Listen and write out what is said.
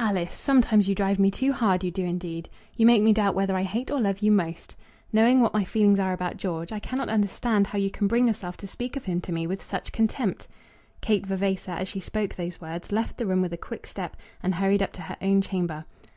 "Alice ! sometimes you drive me too hard; you do, indeed. You make me doubt whether I hate or love you most. Knowing what my feelings are about George, I cannot understand how you can bring yourself to speak of him to me with such contempt!" Kate Vavasor, as she spoke these words, left the room with a quick step, and hurried up to her own chamber.